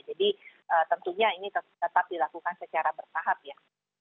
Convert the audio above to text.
jadi tentunya ini tetap dilakukan secara bertahap ya